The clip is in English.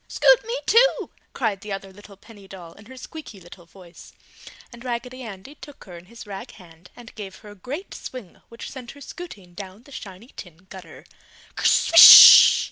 "Scoot me too!" cried the other little penny doll in her squeeky little voice, and Raggedy Andy took her in his rag hand and gave her a great swing which sent her scooting down the shiny tin gutter, "Kerswish!"